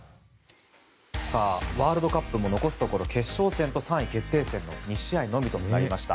ワールドカップも残すところ、決勝戦と３位決定戦の２試合のみとなりました。